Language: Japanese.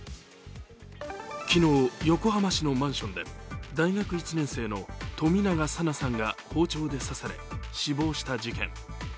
昨日、横浜市のマンションで大学１年生の冨永紗菜さんが包丁で刺され、死亡した事件。